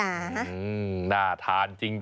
อืมน่าทานจริง